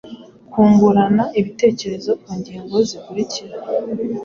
Kungurana ibitekerezo ku ngingo zikurikira: